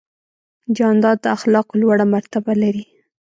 جانداد د اخلاقو لوړه مرتبه لري.